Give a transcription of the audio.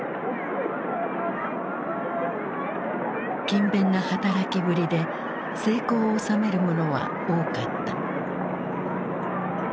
勤勉な働きぶりで成功を収める者は多かった。